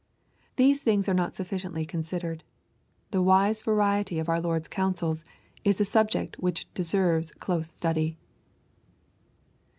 These things are not sufficiently considered. The wise varietj cf our Lord's counsels, is a subject which de« serves close study.